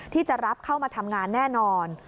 ที่จะรับเข้ามาทำงานแน่นอน